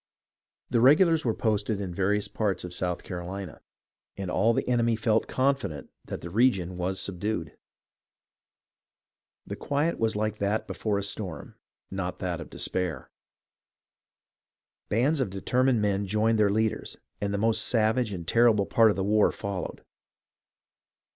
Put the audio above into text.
The regulars were THE STRUGGLE IN THE SOUTH 327 posted in various parts of South Carolina, and all the enemy felt confident that the region was subdued. The quiet was like that before a storm, not that of de spair. Bands of determined men joined their leaders, and the most savage and terrible part of the war followed.